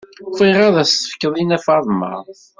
Bɣiɣ ad as-t-fkeɣ i Nna Faḍma.